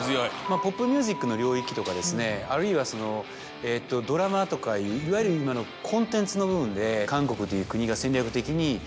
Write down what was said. ポップミュージックの領域とかあるいはドラマとかいわゆる今のコンテンツの部分で。